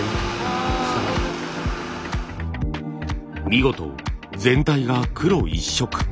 見事全体が黒一色。